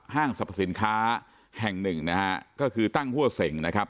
สรรพสินค้าแห่งหนึ่งนะฮะก็คือตั้งหัวเสงนะครับ